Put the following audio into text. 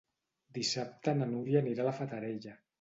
Dissabte na Núria anirà a la Fatarella.